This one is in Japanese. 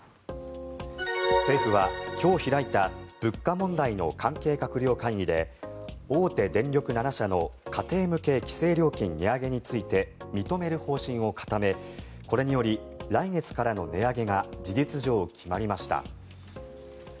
政府は今日開いた物価問題の関係閣僚会議で大手電力７社の家庭向け規制料金の値上げを認める方針を固めこれにより来月からの値上げが事実上決まりました。